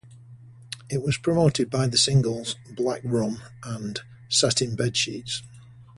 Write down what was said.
It was promoted by the singles "Black Rum" and "Satin Bedsheets".